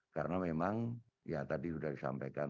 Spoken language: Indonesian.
karena memang ya tadi sudah disampaikan